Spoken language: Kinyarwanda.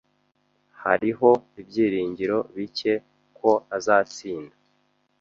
Hariho ibyiringiro bike ko azatsinda.